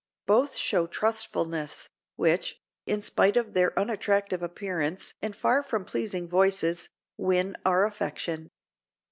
Both show trustfulness, which, in spite of their unattractive appearance and far from pleasing voices, win our affection."